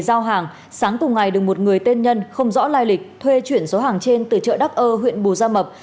giao hàng sáng cùng ngày được một người tên nhân không rõ lai lịch thuê chuyển số hàng trên từ chợ đắc ơ huyện bù gia mập